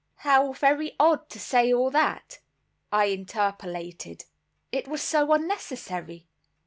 "How very odd to say all that!" I interpolated. "It was so unnecessary."